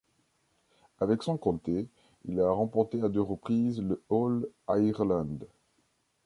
Avec son comté, il a remporté à deux reprises le All-Ireland.